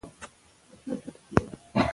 ټولنیز ملاتړ د ځوانانو ژوند ښه کوي.